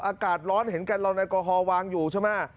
อากาศร้อนเห็นกันเราแอลกอฮอลวางอยู่ใช่ไหม